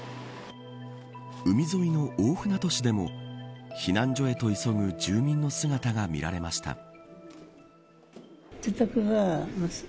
海沿いの大船渡市でも避難所へと急ぐ住民の姿が見られました。